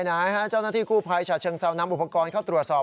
ไหนฮะเจ้าหน้าที่กู้ภัยฉะเชิงเซานำอุปกรณ์เข้าตรวจสอบ